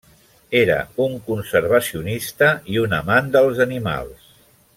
Era un conservacionista i un amant dels animals.